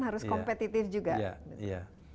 harus kompetitif juga